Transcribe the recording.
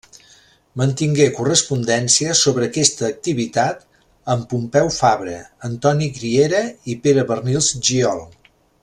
Mantingué correspondència sobre aquesta activitat amb Pompeu Fabra, Antoni Griera i Pere Barnils Giol.